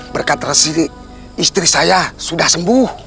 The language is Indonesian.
berkat residi istri saya sudah sembuh